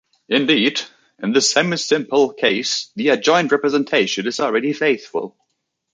Indeed, in the semisimple case, the adjoint representation is already faithful.